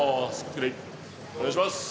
お願いします。